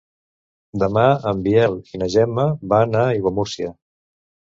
Demà en Biel i na Gemma van a Aiguamúrcia.